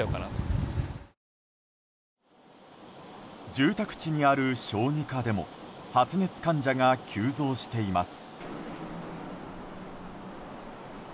住宅地にある小児科でも発熱患者が急増しています。